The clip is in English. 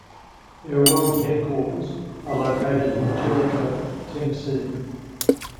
Their world headquarters are located in Jellico, Tennessee.